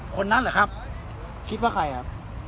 คนนั้นเหรอครับคิดว่าใครครับ